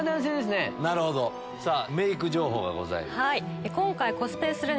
メーク情報がございます。